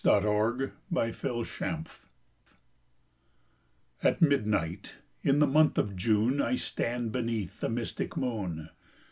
THE SLEEPER At midnight, in the month of June, I stand beneath the mystic moon.